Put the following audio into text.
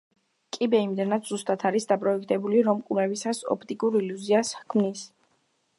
კიბე იმდენად ზუსტად არის დაპროექტებული, რომ ყურებისას ოპტიკურ ილუზიას ჰქმნის.